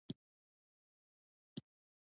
خلاقیت د ازاد فکر نتیجه ده.